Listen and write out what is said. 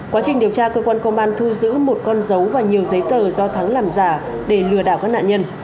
quá trình điều tra cơ quan công an thu giữ một con dấu và nhiều giấy tờ do thắng làm giả để lừa đảo các nạn nhân